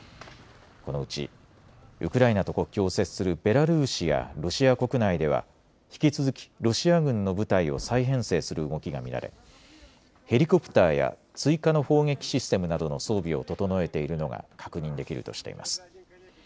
このうちウクライナと国境を接するベラルーシやロシア国内では引き続きロシア軍の部隊を再編成する動きが見られヘリコプターや追加の砲撃システムなどの装備を整えているのが確認できるとしています。